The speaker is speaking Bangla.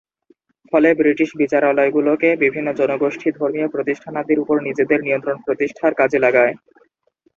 ফলে ব্রিটিশ বিচারালয়গুলোকে বিভিন্ন জনগোষ্ঠী ধর্মীয় প্রতিষ্ঠানাদির ওপর নিজেদের নিয়ন্ত্রণ প্রতিষ্ঠার কাজে লাগায়।